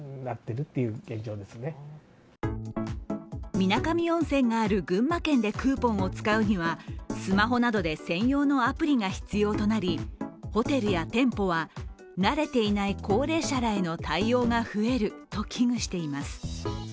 水上温泉がある群馬県でクーポンを使うにはスマホなどで専用のアプリが必要となりホテルや店舗は慣れていない高齢者らへの対応が増えると危惧しています。